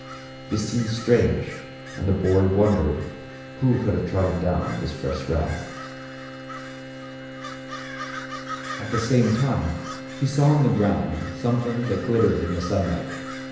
This seemed strange, and the boy wondered who could have trodden down the fresh grass. 55 56 THE SHEPHERD BOY. At the same time he saw on the ground some thing that glittered in the sunlight.